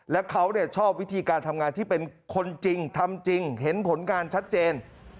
และเขาชอบวิธีการทำงานที่เป็นคนจริงทำจริงเห็นผลการชัดเจน